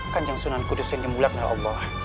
kan yang sunan kudus ini mulai dari allah